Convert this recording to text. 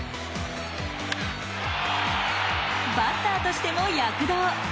バッターとしても躍動。